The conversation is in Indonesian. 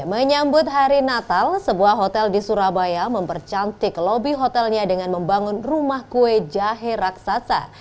menyambut hari natal sebuah hotel di surabaya mempercantik lobby hotelnya dengan membangun rumah kue jahe raksasa